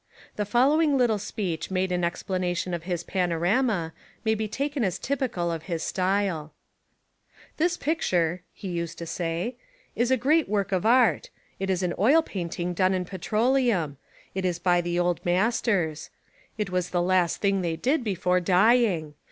The following little speech made in explanation of his panorama may be taken as typical of his style: "This pictiire," he used to say, "is a great work of art; it is an oil painting done in petroleum. It is by the Old Masters. It was the last thing they did before dying.